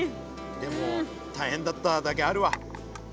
でも大変だっただけあるわ。